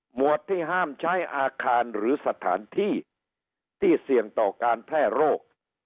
วดที่ห้ามใช้อาคารหรือสถานที่ที่เสี่ยงต่อการแพร่โรค